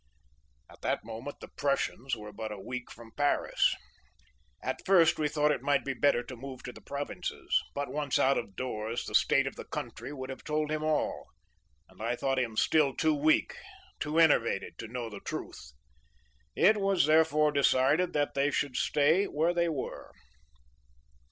'"At that moment the Prussians were but a week from Paris. At first we thought it might be better to move to the provinces, but once out of doors, the state of the country would have told him all, and I thought him still too weak, too enervated, to know the truth. It was therefore decided that they should stay where they were.